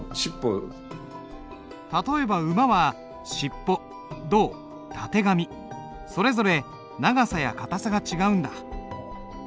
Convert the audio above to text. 例えば馬は尻尾胴たてがみそれぞれ長さや硬さが違うんだ。